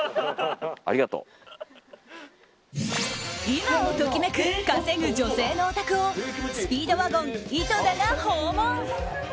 今を時めく、稼ぐ女性のお宅をスピードワゴン井戸田が訪問。